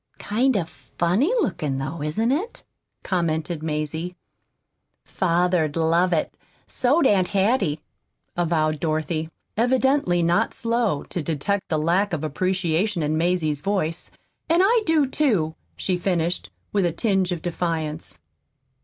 "Kind of funny looking, though, isn't it?" commented Mazie. "Father'd love it, so'd Aunt Hattie," avowed Dorothy, evidently not slow to detect the lack of appreciation in Mazie's voice. "And I do, too," she finished, with a tinge of defiance.